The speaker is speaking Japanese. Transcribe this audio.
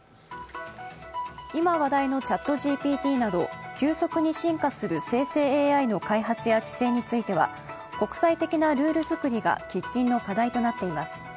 今、話題のＣｈａｔＧＰＴなど急速に進化する生成ＡＩの開発や規制については国際的なルール作りが喫緊の課題となっています。